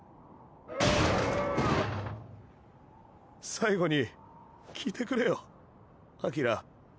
最後に聞いてくれよアキラ。